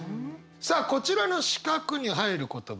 さあこちらの四角に入る言葉